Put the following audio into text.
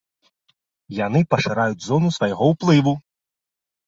Яны пашыраюць зону свайго ўплыву.